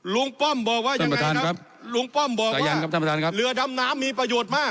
ลุงป้อมบอกว่ายังไงครับลุงป้อมบอกเหลือดำน้ำมีประโยชน์มาก